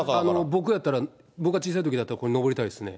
僕やったら、僕が小さいときだったらこれ、登りたいですね。